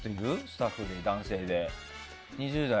スタッフの男性で。